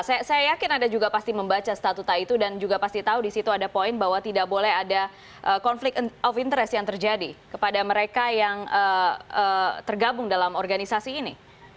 saya yakin anda juga pasti membaca statuta itu dan juga pasti tahu di situ ada poin bahwa tidak boleh ada konflik of interest yang terjadi kepada mereka yang tergabung dalam organisasi ini